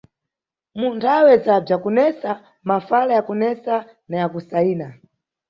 Mu nthawe za bzakunesa, mafala yakunesa na yakusayina.